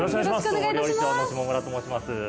総料理長の下村と申します。